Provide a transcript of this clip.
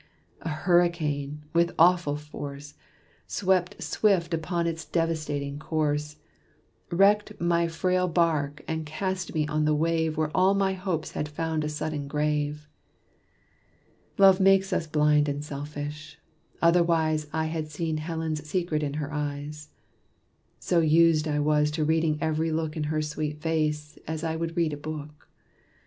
a hurricane, with awful force, Swept swift upon its devastating course, Wrecked my frail bark, and cast me on the wave Where all my hopes had found a sudden grave. Love makes us blind and selfish: otherwise I had seen Helen's secret in her eyes; So used I was to reading every look In her sweet face, as I would read a book.